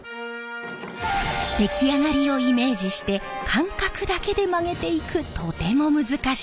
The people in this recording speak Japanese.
出来上がりをイメージして感覚だけで曲げていくとても難しい作業。